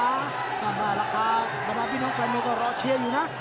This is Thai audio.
มาแล้วล่ะครับบรรดาพี่น้องแปลโนก็รอเชียงอยู่นะ